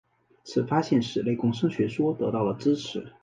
此发现使内共生学说得到了支持。